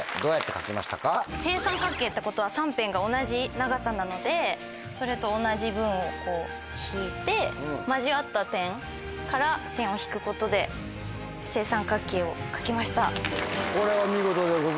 正三角形ってことは３辺が同じ長さなのでそれと同じ分を引いて交わった点から線を引くことで正三角形を描きました。